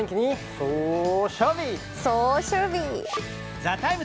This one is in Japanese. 「ＴＨＥＴＩＭＥ，」